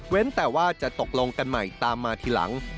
แต่ว่าจะตกลงกันใหม่ตามมาทีหลัง